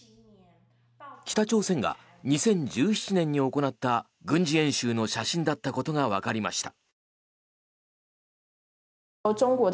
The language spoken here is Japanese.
北朝鮮が２０１７年に行った軍事演習の写真だったことがわかりました。